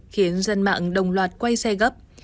khiến dân mạng đồng loạt quay xe gấp